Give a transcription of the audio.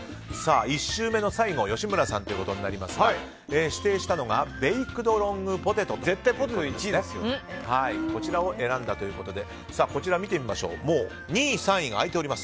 １周目の最後は吉村さんですが、指定したのがベイクドロングポテトこちらを選んだということですでに２位、３位が空いております。